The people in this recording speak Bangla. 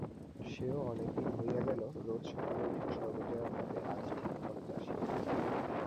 সেও অনেক দিন হইয়া গোল-রোজ সকালে উঠিয়া সর্বজয়া ভাবে আজ ঠিক খরচ আসিবে।